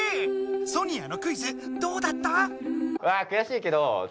ソニアのクイズどうだった？